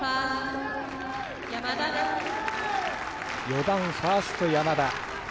４番ファースト、山田。